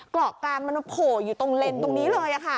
เกาะกลางมันโผอยู่ตรงเลนต์ตรงนี้เลยอะค่ะ